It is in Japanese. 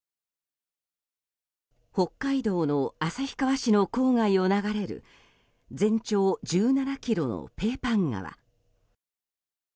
北海道の旭川市の郊外を流れる全長１７ｋｍのペーパン川。